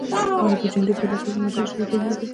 آیا د جنډې پورته کول د مزار شریف دود نه دی؟